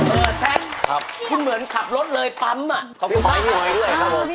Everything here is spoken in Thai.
เออแซมคุณเหมือนขับรถเลยปั๊มพี่ฝนด้วยครับผม